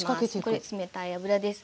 これ冷たい油です。